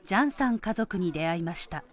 家族に出会いました。